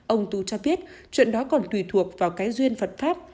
ông tu cho biết chuyện đó còn tùy thuộc vào cái duyên phật pháp